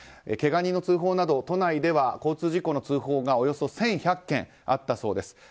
けが人の通報など都内では交通事故の通報がおよそ１１００件あったそうです。